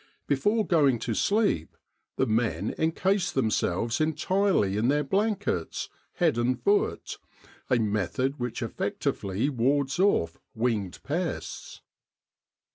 Before going to sleep, the men en case themselves entirely in their blankets, head and foot, a method which effectively wards off winged pests.